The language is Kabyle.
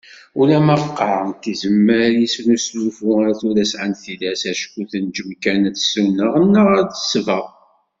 Ulamma qqaren-d tizemmar-is n usnulfu ar tura sɛant tilas, acku tenǧem kan ad tsuneɣ neɣ ad tesbeɣ.